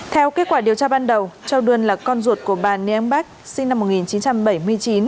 theo kết quả điều tra ban đầu châu đơn là con ruột của bà niang bách sinh năm một nghìn chín trăm bảy mươi chín